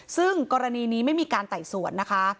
ซึ่งกรณีนี้ไม่มีการไต่สวนนะคะ